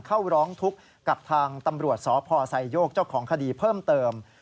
เข้าร้องทุกข์กับทางตำรวจสพไซโยกเจ้าของคดีเพิ่มเติม